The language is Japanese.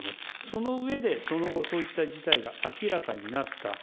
その上で、その後そういった事態が明らかになった。